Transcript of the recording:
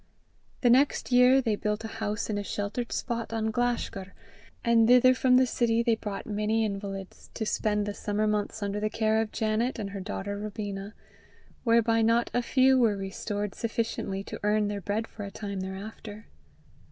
The next year they built a house in a sheltered spot on Glashgar, and thither from the city they brought many invalids, to spend the summer months under the care of Janet and her daughter Robina, whereby not a few were restored sufficiently to earn their bread for a time thereafter.